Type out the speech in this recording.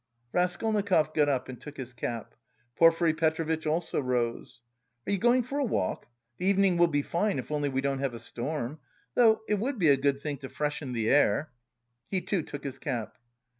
Raskolnikov got up and took his cap. Porfiry Petrovitch also rose. "Are you going for a walk? The evening will be fine, if only we don't have a storm. Though it would be a good thing to freshen the air." He, too, took his cap.